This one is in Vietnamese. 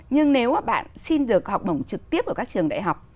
nhưng nếu bạn xin được học bổng trực tiếp ở các trường đại học